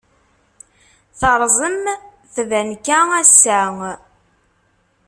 Terẓem tbanka ass-a?